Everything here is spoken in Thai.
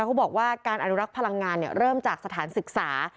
เขาบอกว่าการอนุรักษ์พลังงานเริ่มจากสถานศึกษา